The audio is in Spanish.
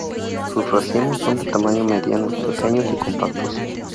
Sus racimos son de tamaño mediano, pequeños y compactos.